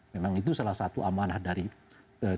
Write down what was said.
memang itu salah satu amanah dari pemerintah